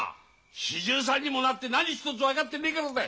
４３にもなって何一つ分かってねえからだい！